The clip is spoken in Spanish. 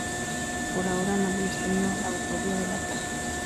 Por ahora nadie asumió la autoría del ataque.